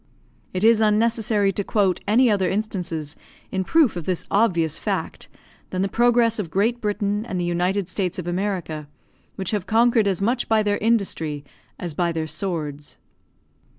It is unnecessary to quote any other instances in proof of this obvious fact, than the progress of Great Britain and the United States of America, which have conquered as much by their industry as by their swords.